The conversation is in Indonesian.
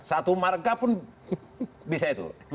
satu marga pun bisa itu